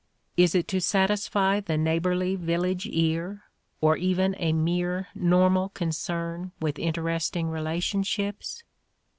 Is it to satisfy the neighborly village ear or even a mere nor mal concern with interesting relationships?